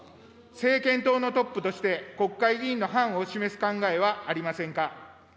政権党のトップとして国会議員の範を示す考えはありませんか。